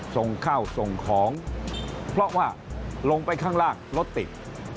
ส่งข้าวส่งของเพราะว่าลงไปข้างล่างรถติด